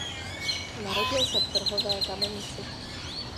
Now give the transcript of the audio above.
Narodil se v Trhové Kamenici.